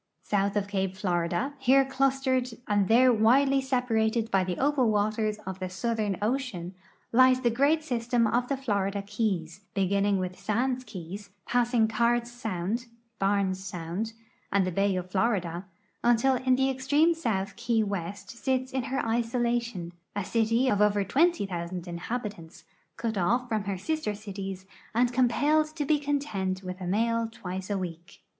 South of cape Florida, here clustered and there widely se[)a ratcd by the opal waters of the Southern ocean, lies the great system of the Florida keys, beginning with Sands key, passing Cards sound, Barnes sound, and the bay of Florida, until in the extreme south Key West sits in her isolation, a city t>f over 20,000 inhabitants, cut off fn)in her sister cities and eompelled to be content with a mail twice a week.